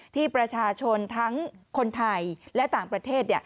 ที่ประชาชนทั้งคนไทยและต่างประเทศ